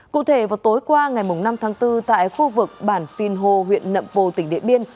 cụ thể vào tối qua ngày năm tháng bốn tại khu vực bản phiên hô huyện nậm pồ tỉnh điện biên